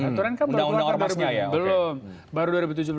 aturan kan belum baru dua ribu tujuh belas